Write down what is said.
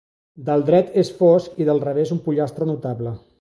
Del dret és fosc i del revés un pollastre notable.